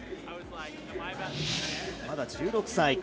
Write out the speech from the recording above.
まだ１６歳。